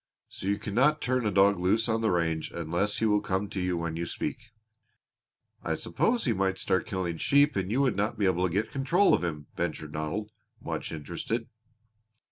So you cannot turn a dog loose on the range unless he will come to you when you speak." "I suppose he might start killing sheep and you would not be able to get control of him," ventured Donald, much interested.